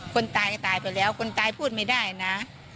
คนตายก็ตายไปแล้วคนตายพูดไม่ได้นะ